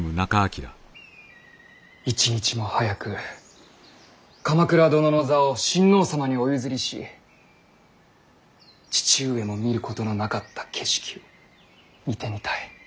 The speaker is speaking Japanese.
一日も早く鎌倉殿の座を親王様にお譲りし父上も見ることのなかった景色を見てみたい。